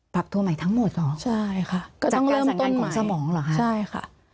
ปรับตัวใหม่ทั้งหมดเหรอใช่ค่ะจากการสัมพันธ์ของสมองเหรอคะใช่ค่ะ